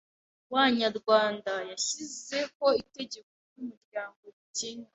w’Anyarwanda yashyizeho itegeko ry’umuryango rigena